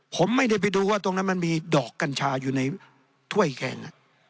ผมไม่ได้ไปดูว่าตรงนั้นมันมีดอกกัญชาอยู่ในถ้วยแกง